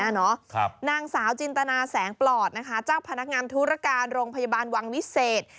ประมาณนี้เนอะนางสาวจินตนาแสงปลอดจากพนักงานธุรการโรงพยาบาลวังวิเศษ